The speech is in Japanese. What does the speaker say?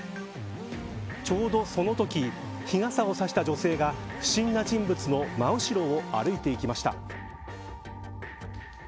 ちょうどそのとき日傘を差した女性が不審な人物の真後ろを歩いていきました。